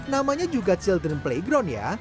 namanya juga children playground ya